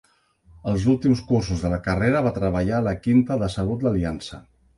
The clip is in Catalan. Els últims cursos de la carrera va treballar a la Quinta de Salut l'Aliança.